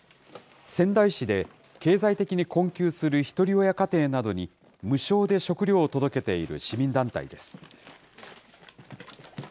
仙台市で経済的に困窮するひとり親家庭などに、無償で食料を届けている市民団体です。